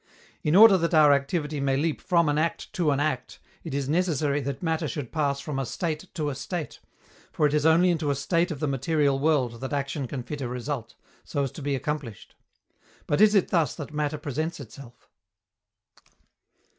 In order that our activity may leap from an act to an act, it is necessary that matter should pass from a state to a state, for it is only into a state of the material world that action can fit a result, so as to be accomplished. But is it thus that matter presents itself?